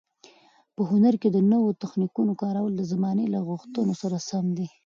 په هنر کې د نویو تخنیکونو کارول د زمانې له غوښتنو سره سم دي.